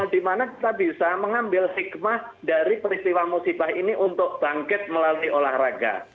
di mana kita bisa mengambil hikmah dari peristiwa musibah ini untuk bangkit melalui olahraga